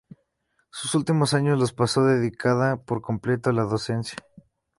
Sus últimos años los pasó dedicada por completo a la docencia.